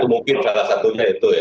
mungkin salah satunya itu